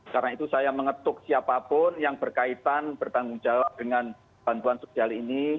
karena itu saya mengetuk siapapun yang berkaitan bertanggung jawab dengan bantuan sosial ini